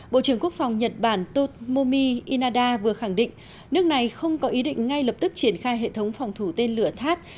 bộ trưởng quốc phòng nhật bản tô mô my inada vừa khẳng định nước này không có ý định ngay lập tức triển khai hệ thống phòng thủ tên lửa thát